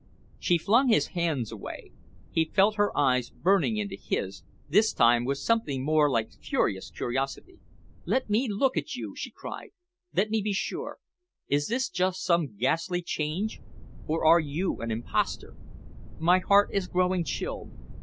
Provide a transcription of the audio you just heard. She flung his hands away. He felt her eyes burning into his, this time with something more like furious curiosity. "Let me look at you," she cried. "Let me be sure. Is this just some ghastly change, or are you an imposter? My heart is growing chilled.